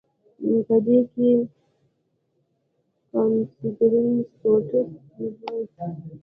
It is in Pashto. پۀ دې کښې کاونسلنګ ، سپورټس ، ډيبېټ ،